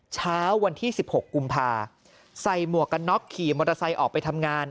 เช้าวันที่๑๖กุมภาใส่หมวกกันน็อกขี่มอเตอร์ไซค์ออกไปทำงาน